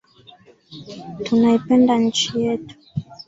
Tunaipenda nchi yetu.